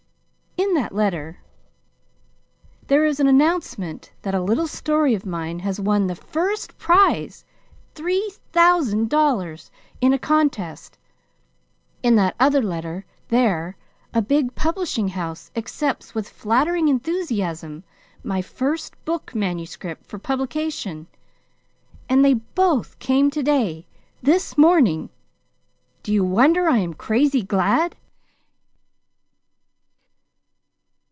In that letter there is the announcement that a little story of mine has won the first prize $3,000, in a contest. In that other letter there, a big publishing house accepts with flattering enthusiasm my first book manuscript for publication. And they both came to day this morning. Do you wonder I am crazy glad?"